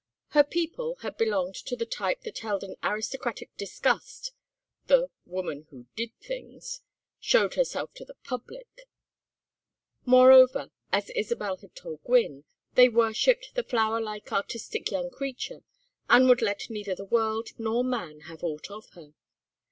Her people had belonged to the type that held in aristocratic disgust the "woman who did things," "showed herself to the public"; moreover, as Isabel had told Gwynne, they worshipped the flower like artistic young creature, and would let neither the world nor man have aught of her.